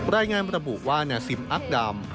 รายงานระบุว่านาซิมอักดำ